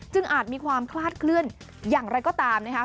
อาจมีความคลาดเคลื่อนอย่างไรก็ตามนะคะ